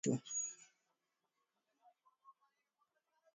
Wanyama hupata matatizo endelevu ya mfumo wa fahamu kama kupiga kichwa